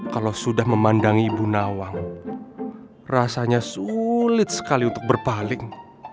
kalau sudah memandang ibu nawang rasanya sulit sekali untuk berpaling